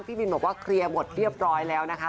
พี่บินบอกว่าเคลียร์หมดเรียบร้อยแล้วนะคะ